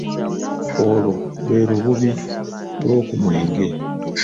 Olwo lwe lububi lw'oku mwenge.